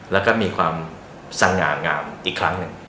แล้วก็มีความสง่างามอีกครั้งหนึ่ง